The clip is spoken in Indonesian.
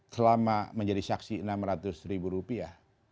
selama menjadi saksi enam ratus ribu rupiah